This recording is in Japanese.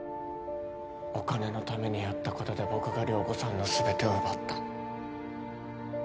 お金のためにやったことで僕が涼子さんの全てを奪った。